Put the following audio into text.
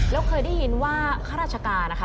แล้วเคยได้ยินว่าข้าราชการนะคะ